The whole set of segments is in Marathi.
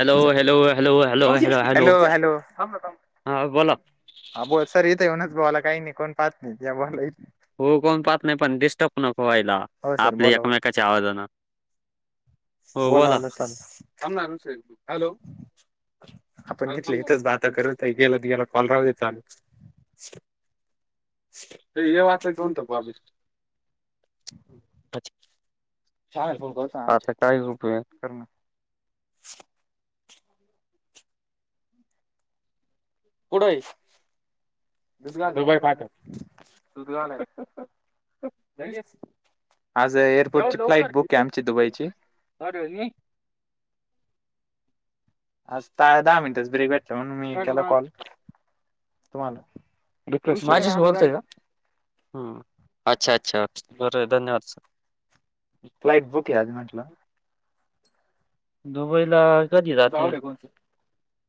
हॅलोॅो हॅलो हा बोला हा बोल सर यथं येऊनच बोवाला काही नाही कोण पाह नाही बला हो कोण पाहत नाही पण डस्टर्ब नको व्हायला आपली एकमेकाच्या आवाजाानं बोला न लम हॅलो आपण घेतलं इथच बात करूत गेला गेला कॉल राहते चालू अ ये वात कोणत पभे अ लेल फोन करत कर कुढ आहे दुधग झोबाई पाट सुधगा नाही आज एअरपोर्टची फ्लाइट बुक आहे आमची दुबईची आ दहा मिनटातरीेट माझ बोलतय का हम् अच्छा अच्छा बर धन्यवाद सर फ्लाइट बुकात दुबईला कध कोण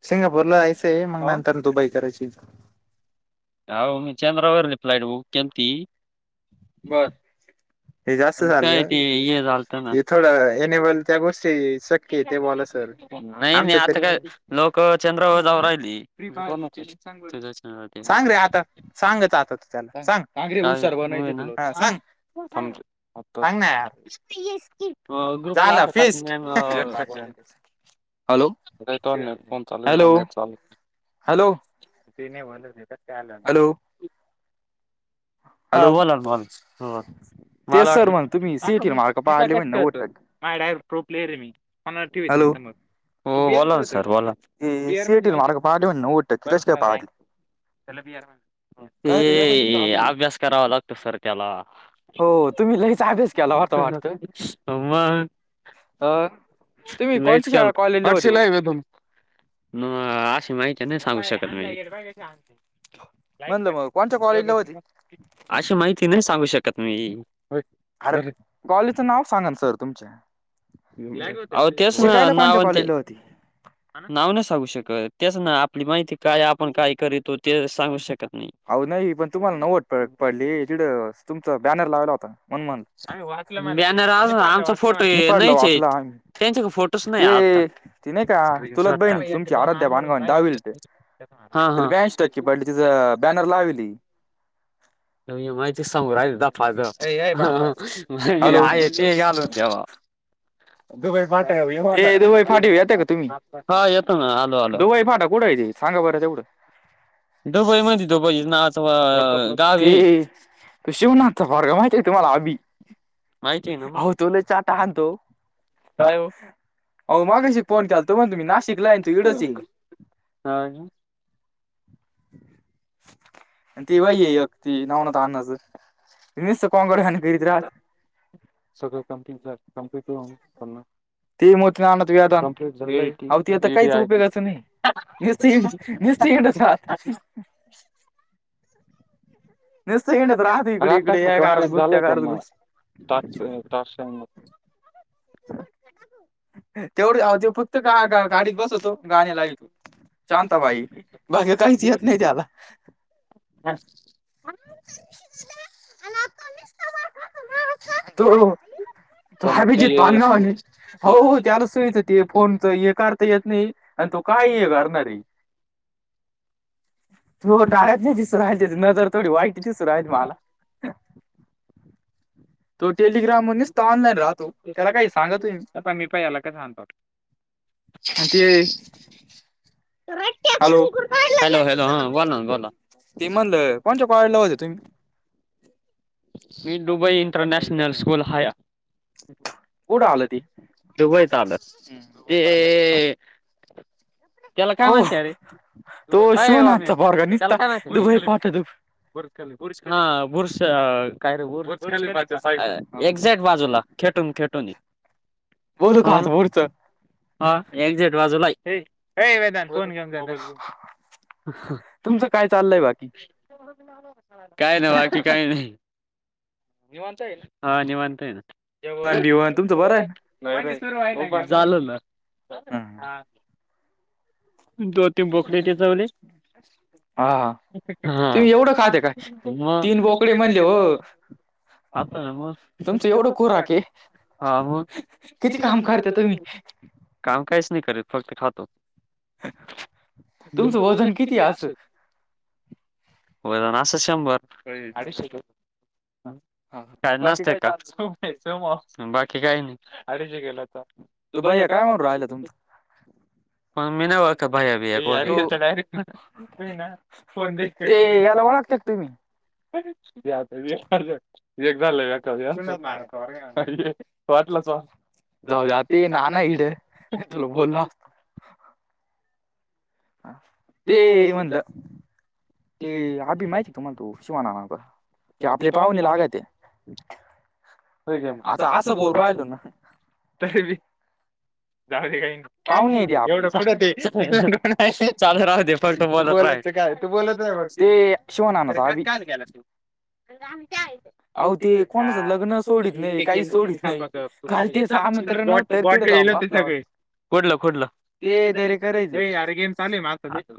सिंगापूरला यायचंय मग नंतर दुबई करायची अ म चेंद्रवररली फ्लईट ब केमती बर हे जास्त झाले थोडं एनेबल त्या गोष्टी शक्य आहे ते बॉ सर नाही नाही आता काय लोक चंद्रबाू जाऊ राहिली ा आांग तुला सांग सांग नार झालं फिस्ट ठीक चालू नट फोन चाल इरनेट चालू हॅलो त हॅल ह हा बोला ना ब मला वाटत एका टक्टळतो माझडाय प्रो प्लेर आहे मी म टी ला सरलार म्ह माहिती ब मणालाभी आर अ अभ्यास करावा लागतो सर त्याला हो तुम्ही लहीचा अभ्यास केला वाटता वाटत अ लईस काल त आशी माहिती हगू शक म अशी माहिती नाही सांगू शकत मी अरे कॉलीचं नाव सांगन सर तुमचे तेच ना नाव ते नाव न सांगूक तेस ना आपली माहिती काय आपण काय करतो ते सांगू शकत अ नाही पण तुम्हाला नवट पडली तडं तुमचा बॅनर लावला होता मनमन येणार नि पाडलं वाचला आ्ही ते ते नाही का तुलत बहिणी तुमची आराध्या बधगाव जावेल ते तला ब्यांशी टक्के पडली तिच बॅनर लावली त माहिती समोर आहे दफ तेाल जवा्हा दुई फट दुबई फाटी येते का तुम्ही दुबई फाटा कुठे आहे सांगा ब तेवढं दुबई मध दुबई नावाचं गावी व ना आप स्वग माहिती आहे ना मग चले चचा ट हतो काय मागा फोन करचातो मग तुम् का शिकलाय ह आणि ती वई ती नावन त तस कोंग खां सगळं कमती कमप कर कर त मो [unintelligible] हड का. [inaudible] सता झालंय का [unintelligible] ट तश [unintelligible] एवढ आजूर पुसतो गा गा गाडीत बसतो अन गाणे लवीतो. शांता बाई काही दिवन का. अन आत निस्ता मार खातो मा तो तो अभिजित पन्नावाने हो त्यालूस सुईच ते फोनच हे करता येत नाही आणि तो काय ये करणारेय. त्यो तळ्यात नाय दिसूरायल त्याज नजर थोडी वाईटची दिसू रायली मला. तो टेलिग्राम व निस्ता ऑनलाईन राहतो त्याला काही सांगा तु्मी. अंन ते. हॅलो हॅलो ह बोला ना. ते म्हणल कोणच्या पळीला होते तुम्ही. मी दुबई इंटरनेॅशनल स्कूल हाया. कुड आलं ते दुबईत आलं ते. त्याला काय म्हणत्या रे अय ओम्या त्याला काय म्हणत्या बुर्ज खलिपा. बुर्ज खलिपा हा बुरश्या काय र बुर्ज खलिपा च्या साईड ला एक्झॅक्ट बाजूला खेटून खेटूनय. [unintelligible] हा एकझेट बाजूलाय एय वैदान फोन घेऊन जा. तुमचं काय चाललंय. काय ना बाकी काही नाहीता निवांत हाय ना हा निवांता आहे ना. जेवन बिवन तुमच बरं हाय झालं ना. हा. दोन तीन बोकडे ते चवले आम्ही एवड खात नाय ना. बोकडे देव तुमचं एवढं कुराक ये. हा मग किती काम कर्त्या तुमी काम काहीच नाही करत फक्त खातो. तुमच वजन कितीय अस. हो असं शंभर अडीशे काय नचते का बाकी काही नाही. अडीशे गेला आता तुभईया काय म्हणत ह [unintelligible] हॅलो हे याला वळकता [unintelligible] तुमी. एक झालं वाटलंच [unintelligible] जाऊदे ते ना ना हाय इड तुला बोलल असत. ह ते म्हणलं. ते आभी माहिती का तुम्हाला तो शिवा ना ना चा. आपडे पावने लागायचे. होय ग आता असं बोलू राहिलो तरी बी जाऊदे काय नाही एवढं कुडते चालू राहूद्या फक्त बोलत राहायचं बोलायचं काय तू बोलत जाय फक्त [unintelligible] [unintelligible]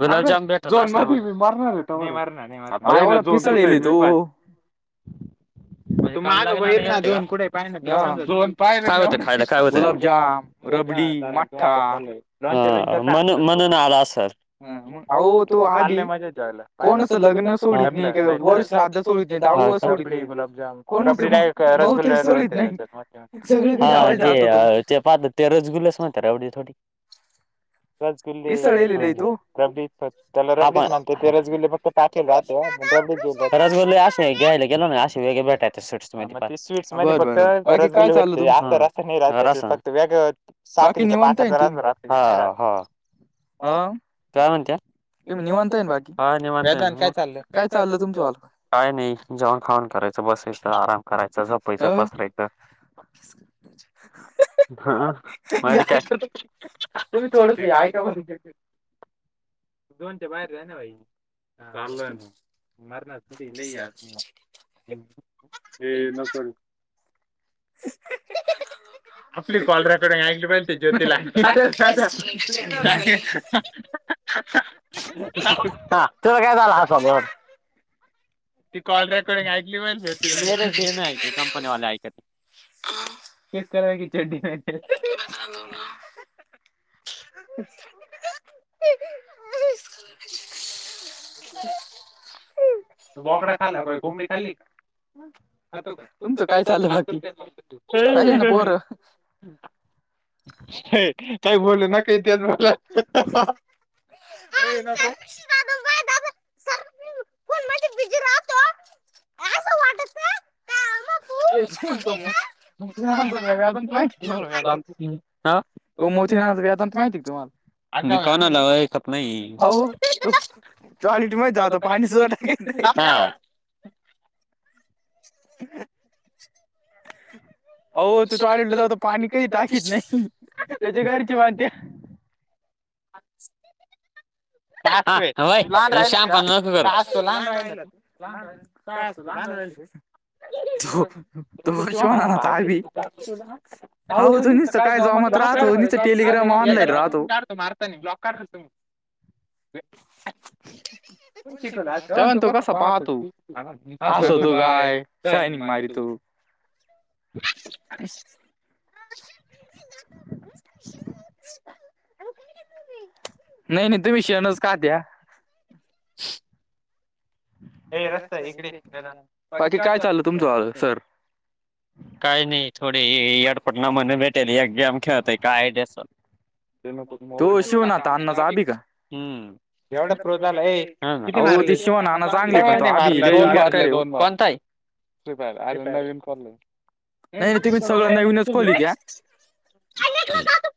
गुलाबजाम भेटत असते म [unintelligible] काय होत खायला काय होतं. मन मन ह मग अहो तो काल लय मजा होती जेवायला. कोणाचं लग्न [unintelligible] ते ते पा ते रसगुलास म्हणता रबडी थोडी [inaudible] रसगुल्ले रबडी त्याला रबडीत म्हणता ते रसगुल्ले फक्त पाकेल राहत्या. रबडी घेऊ बघ रसगुल्ले आसे घ्यायला गेलो ना असे वेगळे भेटता स्वीट्स मध्ये स्वीट्स मध्ये फक्त रसगुल्ले भेटते. वेग साखरेच्या पाकच रसा राहत हा हा हं तुम्ही निवांत हाय बाकी हा निवांत हाय काय चाल काय चाललं तुमच्या बा काय नाही जेवण खावण करायचं बसायच तर आराम करायच झोपायचं पसरायचं ह [unintelligible] दोनच्या बाहेर जायना भाई. [unintelligible] ये नको ना [inaudible] [unintelligible] हा तुला काय झालं हासा ती कॉल रेकॉर्ड ऐकली बरका नहीं रे ते नाही ऐकत कंपनी वाले ऐकत [unintelligible] [unintelligible] तो बोकडा खाल्ला. पण कोंबडी खाल्ली का? तुमचं काय चाललं बाकी पाहिले ना पोर. हे [unintelligible] [unintelligible] हो मोठी [unintelligible] हा [inaudible] हो तू टॉयलेटला जातो पाणी कधि टाकीत नाही. त्याच्या घरची म्हणत्या [inaudible] [unintelligible] [unintelligible] [unintelligible] मारतानी ब्लॉक का [inaudible] तो पाहा ना तो कस पाहतू हसतो काय शायनिंग मारीतो. [inaudible] नाही नाही विषयानच का त्या् [inaudible] ये रस् इकडे ये काही नाही थोडे एडपाट नमुने भेट त्यात, एक गेम खेळतय काय ते सां एवढा प्रो झालंय ये किती मारले? शिवा नाना च दोन मारले कोणता आहे फ्री फायर! [inaudible]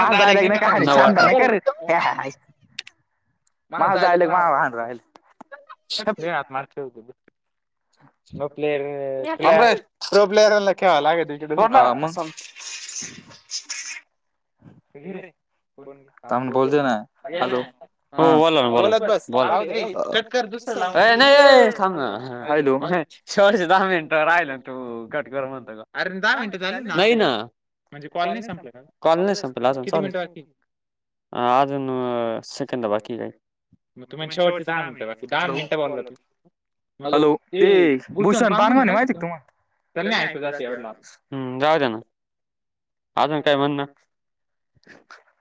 माझ डायलॉग नको हाणू शहाणपणा नको करू! [inaudible] माझा dialogue [inaudible] okay player, pro player आलाय खेळायला. [inaudible] ये घे रे, थांब बोलतोय ना! हो बोला ना बोला, ये कट कर दुसरा लाव ये नाय थांब ना हा. शेवटचे दहा मिनिट राहिल ना तू कट कर म्हणतोय, अरे दहा मिनिट झाली ना? नाही ना! म्हणजे कॉल नाही संपलं का कॉल नाही संपला, किती मिनिट बाकी आहे अजून सेकंद बाकी की हायत. मग तुम शेवटचे दहा मिनिट दहा मिनटं बोलला. हॅलो ते भुशन माहिती, त्याला नाही ऐकू जात एवढ्या लांब हम जाऊदे ना! आजुन काय म्हणलं?